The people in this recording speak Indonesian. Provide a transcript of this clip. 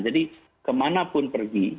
jadi kemana pun pergi